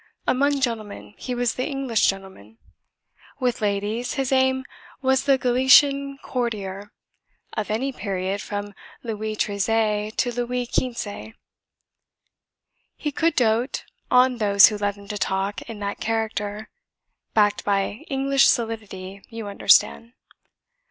Among gentlemen he was the English gentleman; with ladies his aim was the Gallican courtier of any period from Louis Treize to Louis Quinze. He could doat on those who led him to talk in that character backed by English solidity, you understand.